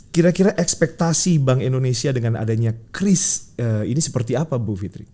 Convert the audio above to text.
kira kira ekspektasi bank indonesia dengan adanya kris ini seperti apa bu fitri